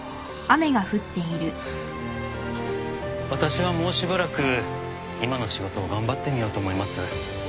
私はもうしばらく今の仕事を頑張ってみようと思います。